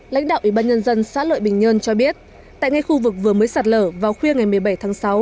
lãnh đạo ủy ban nhân dân xã lợi bình nhơn cho biết tại ngay khu vực vừa mới sạt lở vào khuya ngày một mươi bảy tháng sáu